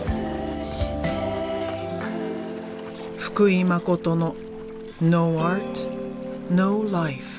福井誠のｎｏａｒｔ，ｎｏｌｉｆｅ。